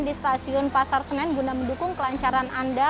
di stasiun pasar senen guna mendukung kelancaran anda